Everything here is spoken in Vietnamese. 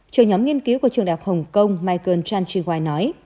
trường nhóm nghiên cứu của trường đại học hồng kông michael chan chi huai nói